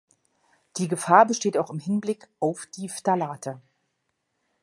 Die Gefahr besteht auch im Hinblick auf die Phthalate.